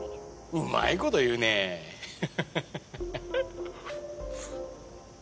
うまいこと言うねハハハハ！